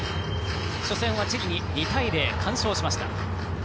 初戦はチリに２対０、完勝しました。